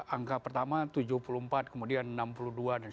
angka pertama tujuh puluh empat kemudian enam puluh dua